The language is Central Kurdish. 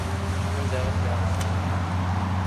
ئەم جارە جیاواز دەبێت.